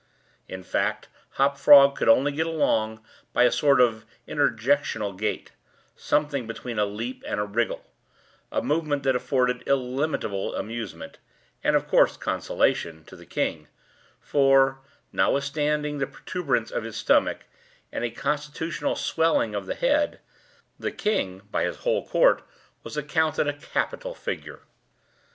In fact, Hop Frog could only get along by a sort of interjectional gait—something between a leap and a wriggle—a movement that afforded illimitable amusement, and of course consolation, to the king, for (notwithstanding the protuberance of his stomach and a constitutional swelling of the head) the king, by his whole court, was accounted a capital figure.